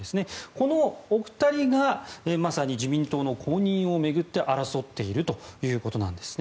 このお二人がまさに自民党の公認を巡って争っているということです。